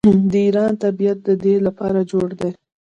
د ایران طبیعت د دې لپاره جوړ دی.